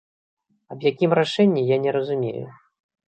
Аб якім рашэнні, я не разумею.